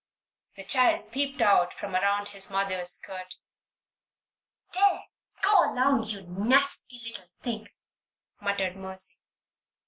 The child peeped out from around his mother's skirt. "There! go along, you nasty little thing!" muttered Mercy.